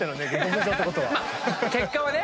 結果はね。